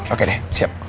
oke deh siap